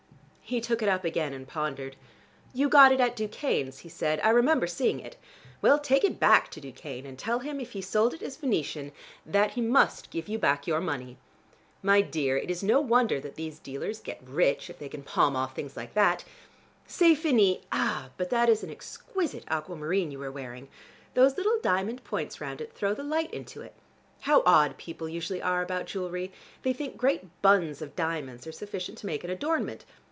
He took it up again and pondered. "You got it at Ducane's," he said. "I remember seeing it. Well, take it back to Ducane, and tell him if he sold it as Venetian, that he must give you back your money. My dear, it is no wonder that these dealers get rich, if they can palm off things like that. C'est fini. Ah, but that is an exquisite aquamarine you are wearing. Those little diamond points round it throw the light into it. How odd people usually are about jewelry. They think great buns of diamonds are sufficient to make an adornment.